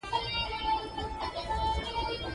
بل څوک نه په پوهېدی !